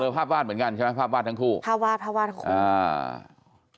ภาพวาดเหมือนกันใช่ไหมภาพวาดทั้งคู่ภาพวาดภาพวาดของอ่า